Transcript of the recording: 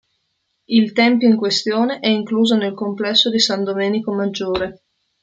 Il tempio in questione è incluso nel complesso di San Domenico Maggiore.